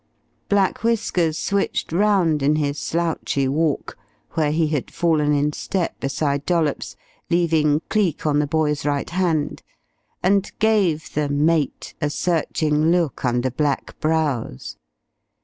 Black Whiskers switched round in his slouchy walk, where he had fallen in step beside Dollops, leaving Cleek on the boy's right hand, and gave the "mate" a searching look under black brows.